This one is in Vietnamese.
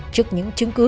trước những chứng cứ